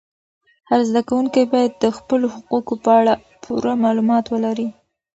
هر زده کوونکی باید د خپلو حقوقو په اړه پوره معلومات ولري.